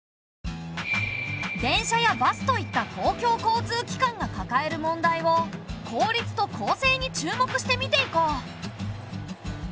電車やバスといった公共交通機関がかかえる問題を効率と公正に注目して見ていこう。